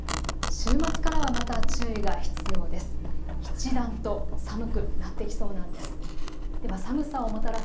週末からはまた注意が必要です。